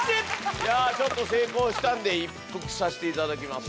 じゃあちょっと成功したんで一服させていただきます。